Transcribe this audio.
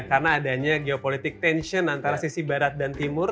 karena adanya geopolitik tension antara sisi barat dan timur